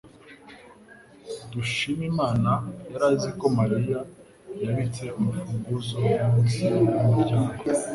Dushimimana yari azi ko Mariya yabitse urufunguzo munsi yumuryango.